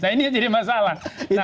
nah ini jadi masalah